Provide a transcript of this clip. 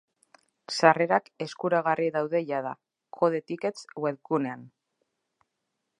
Sarrerak eskuragarri daude jada, codetickets webgunean.